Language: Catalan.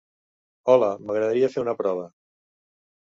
Hola, m'agradaria fer una prova.